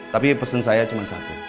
tapi pesan saya cuma satu